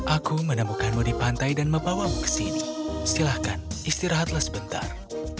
aku menemukanmu di pantai dan membawamu ke sini silahkan istirahatlah sebentar